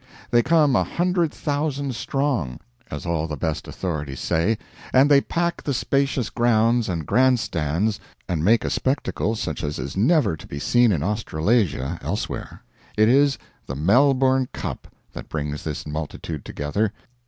They come a hundred thousand strong, as all the best authorities say, and they pack the spacious grounds and grandstands and make a spectacle such as is never to be seen in Australasia elsewhere. It is the "Melbourne Cup" that brings this multitude together.